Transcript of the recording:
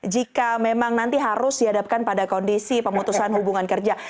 jika memang nanti harus dihadapkan pada kondisi pemutusan hubungan kerja